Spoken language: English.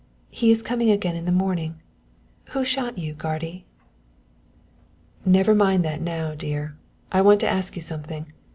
He is coming again in the morning. Who shot you, guardy?" "Never mind that now, dear. I want to ask you something.